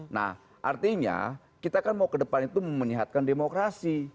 nah artinya kita kan mau ke depan itu menyehatkan demokrasi